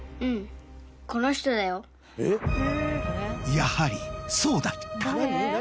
やはりそうだった。